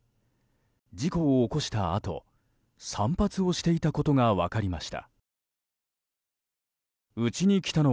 事故を起こしたあと散髪をしていたことが分かりました。